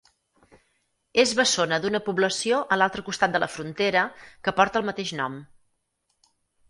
Es bessona d'una població a l'altre costat de la frontera, que porta el mateix nom.